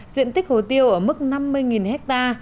diện tích hồ tiêu ở mức năm mươi ha